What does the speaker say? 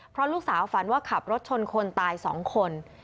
เพราะลูกสาวฝันว่าขับรถชนคนตาย๒คน